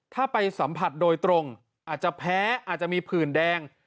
ถ้าไปสัมผัสโดยตรงอาจจะแพ้อาจจะมีผื่นแดง